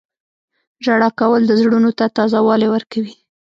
• ژړا کول د زړونو ته تازه والی ورکوي.